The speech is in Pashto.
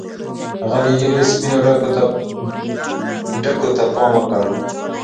هغه د ږیرې سپینو ډکو ته پام وکړ.